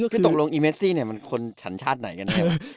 คือตกลงอีเมซี่เนี่ยมันคนฉันชาติไหนกันเนี่ย